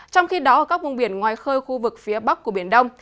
trong khi đó ở các vùng biển ngoài khơi khu vực phía bắc của biển đông